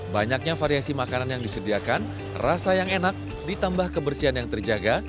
banyaknya variasi makanan yang disediakan rasa yang enak ditambah kebersihan yang terjaga